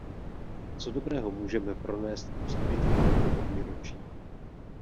Co dobrého můžeme pronést k přípitku na toto výročí?